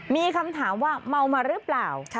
มีคำถามว่าเมามาหรือเปล่า